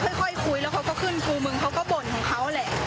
ค่อยคุยแล้วเขาก็ขึ้นกูมึงเขาก็บ่นของเขาแหละ